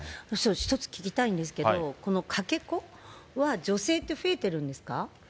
一つ聞きたいんですけど、このかけ子は、女性って増えてるんですか。